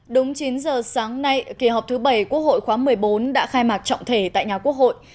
đúng chín giờ sáng nay kỳ họp thứ bảy quốc hội khóa một mươi bốn đã khai mạc trọng thể tại nhà quốc hội